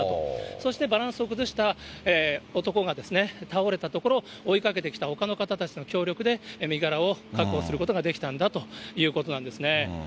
そしてバランスを崩した男が倒れたところ、追いかけてきたほかの方たちの協力で、身柄を確保することができたんだということなんですね。